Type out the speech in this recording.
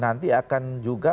nanti akan juga